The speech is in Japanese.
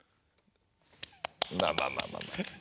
まあまあまあまあ。